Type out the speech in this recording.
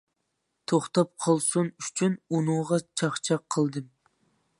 توختاپ قالسۇن ئۈچۈن ئۇنىڭغا چاقچاق قىلدىم.